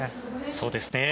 そうですね。